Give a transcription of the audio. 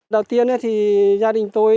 đầu tiên thì gia đình tôi